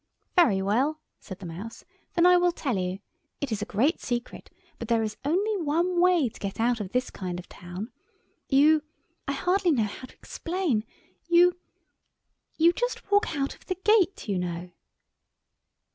"Very well," said the Mouse, "then I will tell you. It is a great secret, but there is only one way to get out of this kind of town. You—I hardly know how to explain—you—you just walk out of the gate, you know."